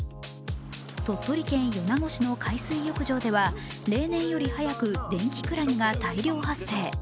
鳥取県米子市の海水浴場では例年より早く電気クラゲが大量発生。